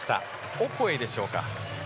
オコエでしょうか。